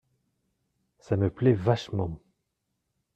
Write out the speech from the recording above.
Ça me plait vachement.